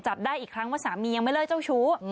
จับได้อีกครั้งว่าสามียังไม่เลิกเจ้าชู้